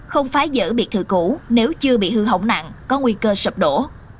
không phái giữ biệt thự cũ nếu chưa bị hư hỏng nặng có nguy cơ sập đổ